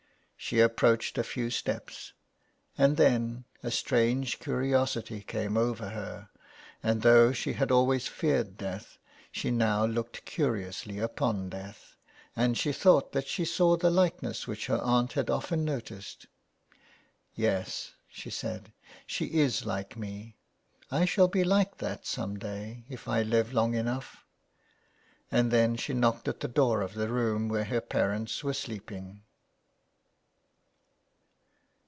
She approached a few steps, and then a strange curiosity came over her, and though she had always feared death she now looked curiously upon death, and she thought that she saw the likeness which her aunt had often noticed. " Yes,'' she said, *' she is like me, I shall be like that some day if I live long enough." And then she knocked at the door of the room where her parents were sleeping.